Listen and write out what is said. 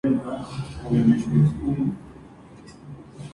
El primer movimiento de la sonata es como un himno y melodioso.